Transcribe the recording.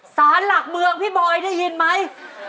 สารหลักเมืองพี่บอยได้ยินไหม